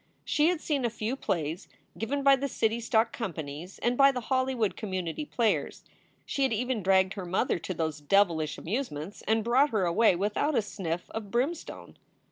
She had seen a few plays given by SOULS FOR SALE 341 the city stock companies and by the Hollywood Community Players. She had even dragged her mother to those devilish amusements and brought her away without a sniff of brim stone.